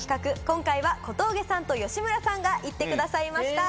今回は小峠さんと吉村さんが行ってくださいました。